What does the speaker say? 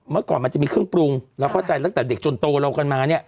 เมื่อก่อนมันจะมีเครื่องปรุงเราเข้าใจตั้งแต่เด็กจนโตเรากันมาเนี่ย